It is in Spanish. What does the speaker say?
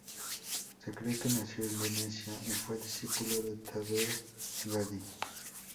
Se cree que nació en Venecia y fue discípulo de Taddeo Gaddi.